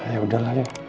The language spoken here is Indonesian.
ya udahlah yuk